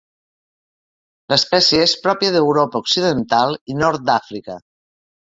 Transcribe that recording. L'espècie és pròpia d'Europa occidental i nord d'Àfrica.